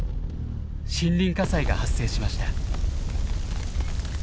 森林火災が発生しました。